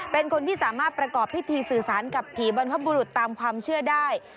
เป็นคนที่สามารถประกอบพิธีสื่อสารกับผีบรรพบุรุษตามความเชื่อได้